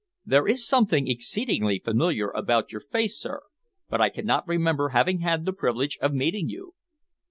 "There is something exceedingly familiar about your face, sir, but I cannot remember having had the privilege of meeting you."